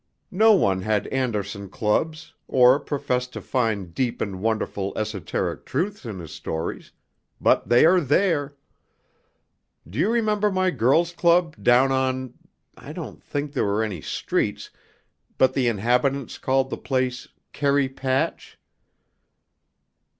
No one had Andersen clubs, or professed to find deep and wonderful esoteric truths in his stories, but they are there. Do you remember my girls' club down on I don't think there were any streets, but the inhabitants called the place 'Kerry Patch'?"